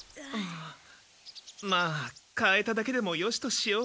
まあ買えただけでもよしとしよう。